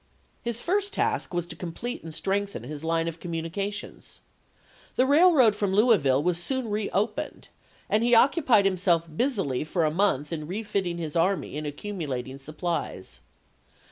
His first task was to complete and strengthen his line of communica tions. The railroad from Louisville was soon re opened and he occupied himself busily for a month in refitting his army and accumulating supplies.